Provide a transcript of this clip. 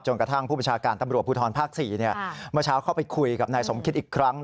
กระทั่งผู้ประชาการตำรวจภูทรภาค๔เมื่อเช้าเข้าไปคุยกับนายสมคิตอีกครั้ง